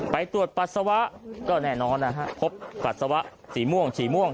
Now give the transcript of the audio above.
ไปตรวจปัสสาวะก็แน่นอนนะฮะพบปัสสาวะสีม่วงฉี่ม่วง